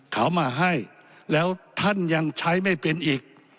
เขามาให้แล้วท่านยังใช้ไม่เป็นอีก